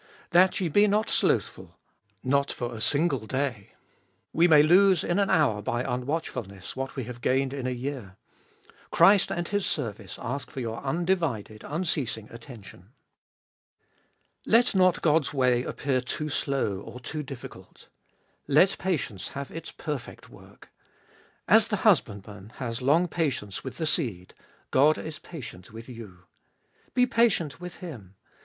2. That ye be not slothful, not for a single day. We may lose in an hour by unwatchfulness what we have gained in a year. Christ and His service ash for your undivided, unceasing attention. 3. Let not God's way appear too slow or too difficult. Let patience have its perfect work. As the husbandman has long patience with the seed, God is patient with you. Be patient with Him.